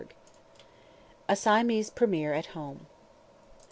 A SIAMESE PREMIER AT HOME.